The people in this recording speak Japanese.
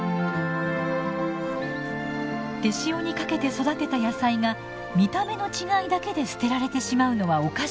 手塩にかけて育てた野菜が見た目の違いだけで捨てられてしまうのはおかしい。